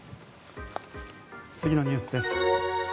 次のニュースです。